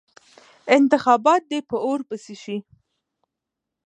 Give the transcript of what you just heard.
انتخابات دې په اور پسې شي.